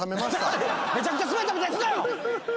めちゃくちゃスベったみたいにすなよ！